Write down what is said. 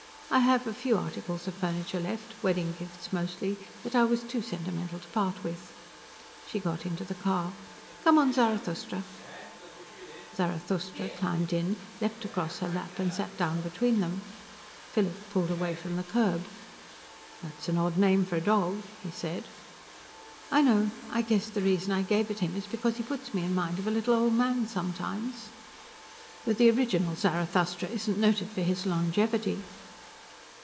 I have a few articles of furniture left wedding gifts, mostly, that I was too sentimental to part with." She got into the car. "Come on, Zarathustra." Zarathustra clambered in, leaped across her lap and sat down between them. Philip pulled away from the curb. "That's an odd name for a dog," he said. "I know. I guess the reason I gave it to him is because he puts me in mind of a little old man sometimes." "But the original Zarathustra isn't noted for his longevity."